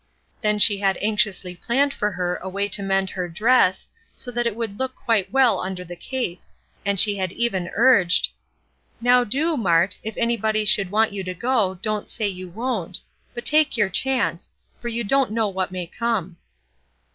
Then she had anxiously planned for her a way to mend her dress, so that it would look quite well under the cape, and she had even urged: "Now do, Mart, if anybody should want you to go don't say you won't; but take your chance, for you don't know what may come."